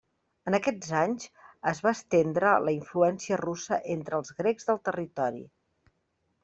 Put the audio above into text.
En aquests anys, es va estendre la influència russa entre els grecs del territori.